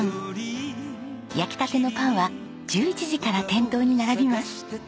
焼きたてのパンは１１時から店頭に並びます。